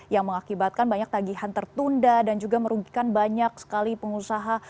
yang mengakibatkan banyak tagihan tertunda dan juga merugikan banyak sekali pengusaha